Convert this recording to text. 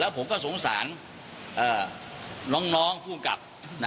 ผมก็สงสารน้องภูมิกับ